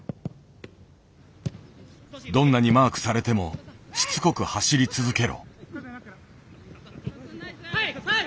どんなにマークされてもしつこく走り続けろ。